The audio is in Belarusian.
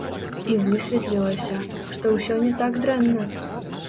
І высветлілася, што ўсё не так дрэнна!